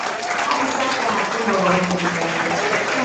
Hadi sasa hakuna uamuzi bado.